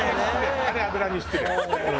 あれ油に失礼。